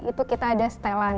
itu kita ada setelan